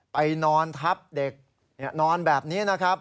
ไปนอนทับเด็กนอนแบบนี้นะครับ